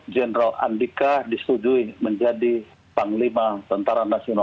jenderal andika perkasa